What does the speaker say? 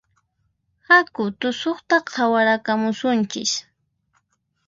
Haku tusuqta qhawarakamusunchis